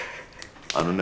あのね